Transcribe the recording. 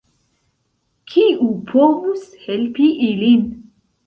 Kiu povus helpi ilin?